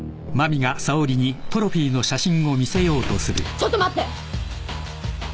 ちょっと待って！